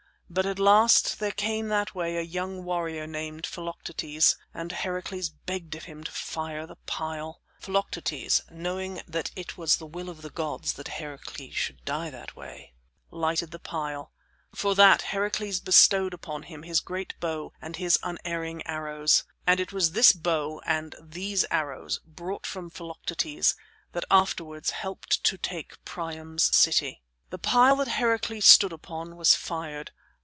But at last there came that way a young warrior named Philoctetes, and Heracles begged of him to fire the pile. Philoctetes, knowing that it was the will of the gods that Heracles should die that way, lighted the pile. For that Heracles bestowed upon him his great bow and his unerring arrows. And it was this bow and these arrows, brought from Philoctetes, that afterward helped to take Priam's city. The pile that Heracles stood upon was fired.